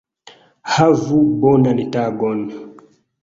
Havu bonan tagon!